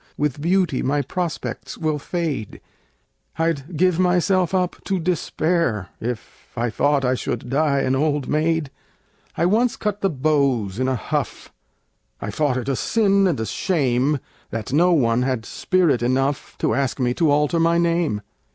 With beauty my prospects will fade I'd give myself up to despair If I thought I should die an old maid! I once cut the beaux in a huff I thought it a sin and a shame That no one had spirit enough To ask me to alter my name.